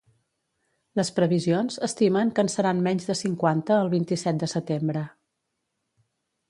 Les previsions estimen que en seran menys de cinquanta el vint-i-set de setembre.